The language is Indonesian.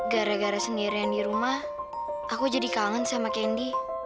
gara gara sendirian di rumah aku jadi kangen sama kendi